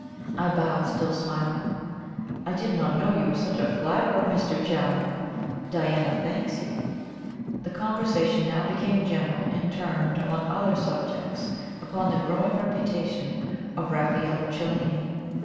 I bowed, still smiling. "I did not know you were such a flatterer, Mr. Challoner! Diana thanks you!" The conversation now became general, and turned, among other subjects, upon the growing reputation of Raffaello Cellini.